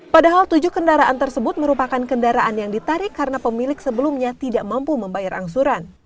padahal tujuh kendaraan tersebut merupakan kendaraan yang ditarik karena pemilik sebelumnya tidak mampu membayar angsuran